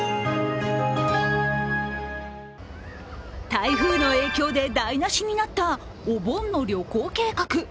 台風の影響で台無しになったお盆の旅行計画。